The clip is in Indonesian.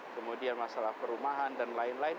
kemudian masalah perumahan dan lain lain